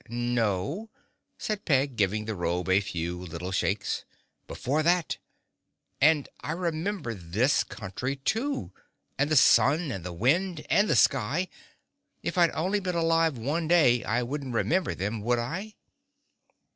"No," said Peg, giving the robe a few little shakes, "before that. And I remember this country, too, and the sun and the wind and the sky. If I'd only been alive one day I wouldn't remember them, would I?"